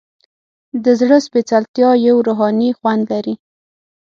د زړه سپیڅلتیا یو روحاني خوند لري.